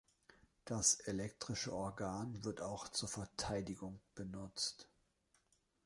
Das elektrische Organ wird auch zur Verteidigung benutzt.